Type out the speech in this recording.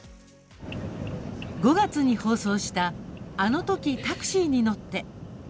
５月に放送した「あのとき、タクシーに乗って」。